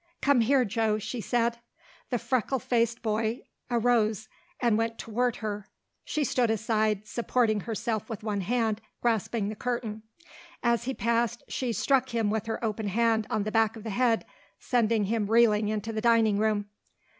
"Come here, Joe," she said. The freckle faced boy arose and went toward her. She stood aside, supporting herself with one hand grasping the curtain. As he passed she struck him with her open hand on the back of the head, sending him reeling into the dining room.